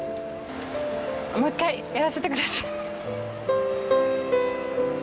もう１回やらせて下さい。